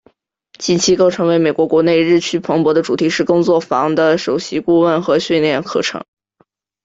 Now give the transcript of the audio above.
近期更成为美国国内日趋蓬勃的主题式工作坊的首席顾问和训练课程。